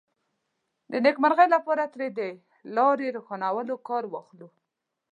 د نېکمرغۍ لپاره ترې د لارې روښانولو کار واخلو.